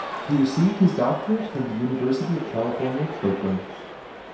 He received his doctorate from the University of California, Berkeley.